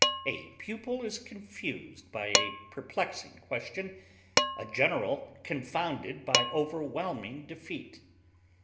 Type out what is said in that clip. A pupil is confused by a perplexing question, a general confounded by overwhelming defeat.